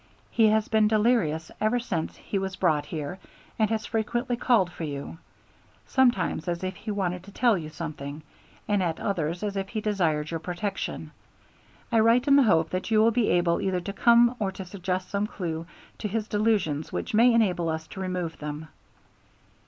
He has been delirious ever since he was brought here, and has frequently called for you, sometimes as if he wanted to tell you something, and at others as if he desired your protection. I write in the hope that you will be able either to come or to suggest some clew to his delusions which may enable us to remove them."